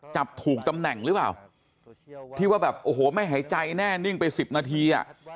จับถูกตำแหน่งหรือเปล่าที่ว่าแบบโอ้โหไม่หายใจแน่นิ่งไปสิบนาทีอ่ะ